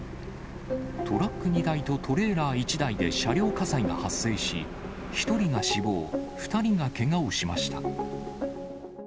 トラック２台とトレーラー１台で車両火災が発生し、１人が死亡、２人がけがをしました。